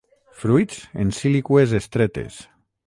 Fruits en síliqües estretes.